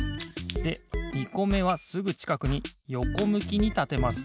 で２こめはすぐちかくによこむきにたてます。